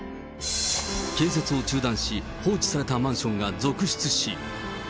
建設を中断し、放置されたマンションが続出し。